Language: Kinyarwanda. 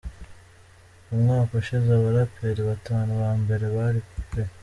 Mu mwaka ushize abaraperi batanu ba mbere bari: P.